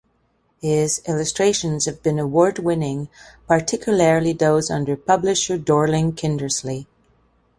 His illustrations have been award winning, particularly those under publisher Dorling Kindersley.